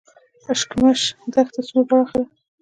اشکمش دښته څومره پراخه ده؟